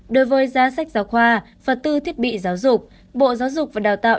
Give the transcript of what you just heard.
đối với giá sách giáo khoa vật tư thiết bị giáo dục bộ giáo dục và đào tạo